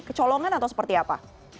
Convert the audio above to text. kecolongan atau seperti apa